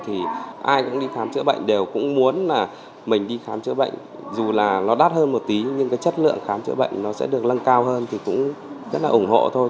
thì ai cũng đi khám chữa bệnh đều cũng muốn là mình đi khám chữa bệnh dù là nó đắt hơn một tí nhưng cái chất lượng khám chữa bệnh nó sẽ được lân cao hơn thì cũng rất là ủng hộ thôi